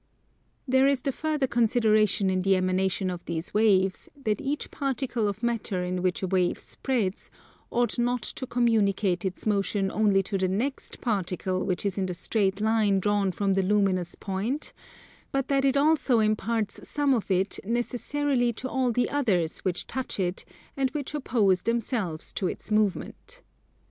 There is the further consideration in the emanation of these waves, that each particle of matter in which a wave spreads, ought not to communicate its motion only to the next particle which is in the straight line drawn from the luminous point, but that it also imparts some of it necessarily to all the others which touch it and which oppose themselves to its movement.